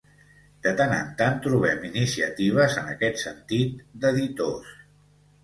De tant en tant trobem iniciatives en aquest sentit d'editors.